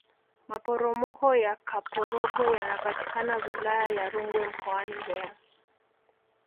maporomoko ya kaporogwe yanapatikana wilaya ya rungwe mkoani mbeya